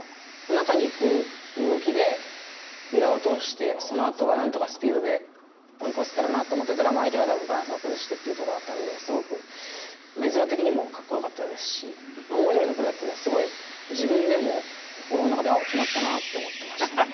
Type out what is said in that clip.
中に行く動きで、裏を通して、そのあとはなんとかスピードで追い越せたらなと思ってたら、相手がバランスを崩してっていうところだったので、すごく絵面的にもかっこよかったですし、思いどおりのプレーだったので、すごい、自分でも心の中で、あっ、決まったなって思ってました。